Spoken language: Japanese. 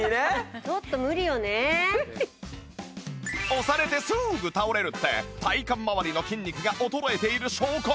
押されてすぐ倒れるって体幹まわりの筋肉が衰えている証拠